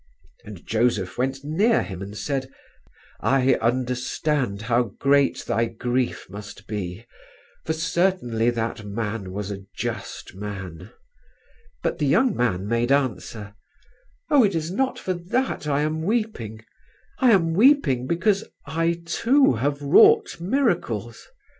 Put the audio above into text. And Joseph went near him and said, 'I understand how great thy grief must be, for certainly that Man was a just Man.' But the young man made answer, 'Oh, it is not for that I am weeping. I am weeping because I too have wrought miracles.